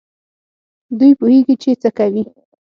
دوی پوهېږي چي څه کوي.